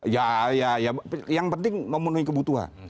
ya ya yang penting memenuhi kebutuhan